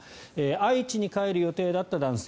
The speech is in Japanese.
愛知に帰る予定だった男性。